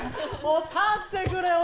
もう立ってくれ。